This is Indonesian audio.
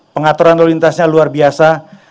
pengaturan lalu lintasnya luar biasa